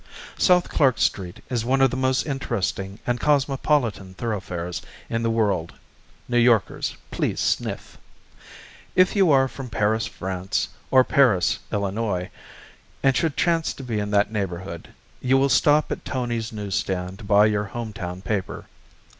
South Clark Street is one of the most interesting and cosmopolitan thoroughfares in the world (New Yorkers please sniff). If you are from Paris, France, or Paris, Illinois, and should chance to be in that neighborhood, you will stop at Tony's news stand to buy your home town paper.